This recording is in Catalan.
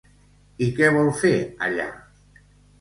I què vol fer allà?